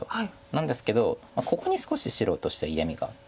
なんですけどここに少し白としては嫌みがあって。